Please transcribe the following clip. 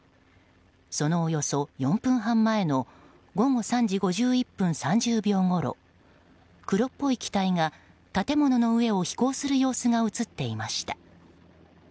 そのおよそ４分半前の午後３時５１分３０秒ごろ黒っぽい機体が、建物の上を飛行する様子が映っていました。